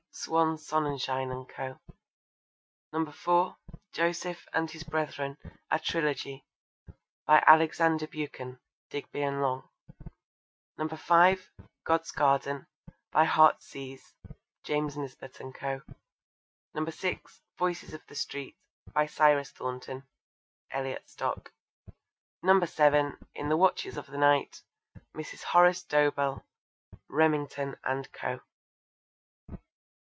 (Swan Sonnenschein and Co.) (4) Joseph and His Brethren: a Trilogy. By Alexander Buchan. (Digby and Long.) (5) God's Garden. By Heartsease. (James Nisbet and Co.) (6) Voices of the Street. By Cyrus Thornton. (Elliot Stock.) (7) In the Watches of the Night. By Mrs. Horace Dobell. (Remington and Co.)